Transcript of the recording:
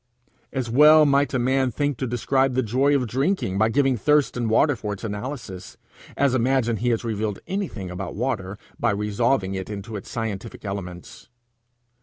As well may a man think to describe the joy of drinking by giving thirst and water for its analysis, as imagine he has revealed anything about water by resolving it into its scientific elements.